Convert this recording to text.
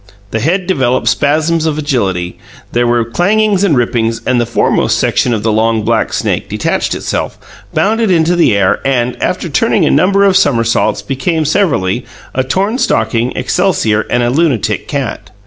The head developed spasms of agility; there were clangings and rippings, then the foremost section of the long, black snake detached itself, bounded into the air, and, after turning a number of somersaults, became, severally, a torn stocking, excelsior, and a lunatic cat.